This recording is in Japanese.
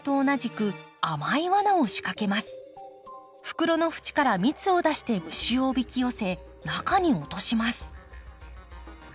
袋の縁から蜜を出して虫をおびき寄せ中に落とします。